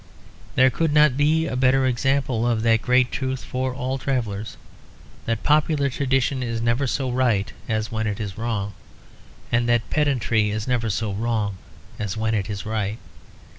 There could not be a better example of that great truth for all travellers; that popular tradition is never so right as when it is wrong; and that pedantry is never so wrong as when it is right.